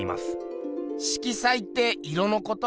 色彩って色のこと？